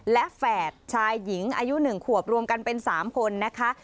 และแฝดชายหญิงอายุ๑ขวบรวมกันเป็น๓คนนะคะ